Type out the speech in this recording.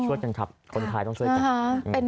ชัวร์จังครับคนไทยต้องเชื่อจักร